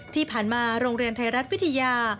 ที่ผ่านมาโรงเรียนไทยรัฐวิทยา